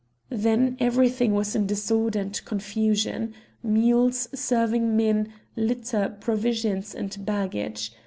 Then everything was in disorder and confusion: mules, serving men, litter, provisions, and baggage.